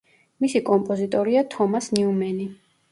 მისი კომპოზიტორია თომას ნიუმენი.